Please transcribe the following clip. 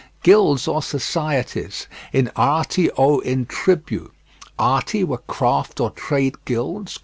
"Guilds or societies," "in arti o in tribu." "Arti" were craft or trade guilds, cf.